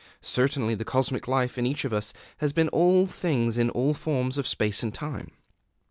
Certainly the Cosmic Life in each of us has been all things in all forms of space and time.